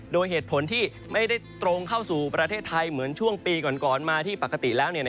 โดยเหตุผลที่ไม่ได้ตรงเข้าสู่ประเทศไทยเหมือนช่วงปีก่อนมาที่ปกติแล้ว